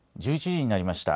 １１時になりました。